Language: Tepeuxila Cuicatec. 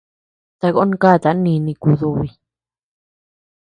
Takon káta nini kudubi.